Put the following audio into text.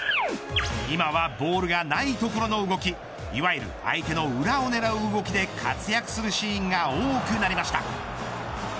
今はボールがないところの動きいわゆる相手の裏を狙う動きで活躍するシーンが多くなりました。